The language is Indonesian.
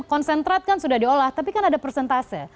konsentrat kan sudah diolah tapi kan ada persentase